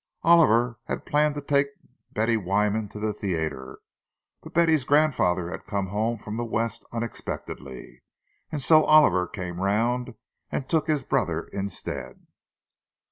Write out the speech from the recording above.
Oliver had planned to take Betty Wyman to the theatre; but Betty's grandfather had come home from the West unexpectedly, and so Oliver came round and took his brother instead.